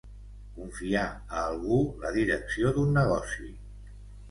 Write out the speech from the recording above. Confiar a algú la direcció d'un negoci.